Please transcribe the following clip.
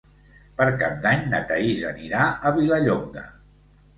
Per Cap d'Any na Thaís anirà a Vilallonga.